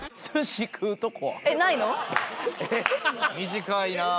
短いなあ。